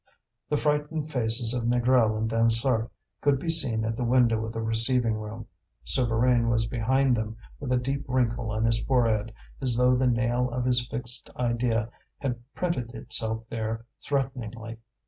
The frightened faces of Négrel and Dansaert could be seen at the window of the receiving room. Souvarine was behind them with a deep wrinkle on his forehead, as though the nail of his fixed idea had printed itself there threateningly.